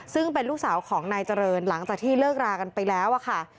ซึ่งเป็นลูกสาวของนายเจริญหลังจากที่เลิกรากันไปแล้วอะค่ะ